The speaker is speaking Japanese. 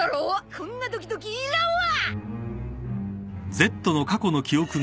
こんなドキドキいらんわ！